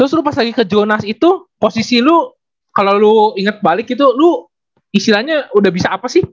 terus lo pas lagi ke juna s itu posisi lo kalau lo inget balik itu lo istilahnya udah bisa apa sih